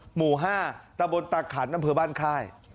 หมู่๕ตะบนตาขันอำเภอบ้านค่าย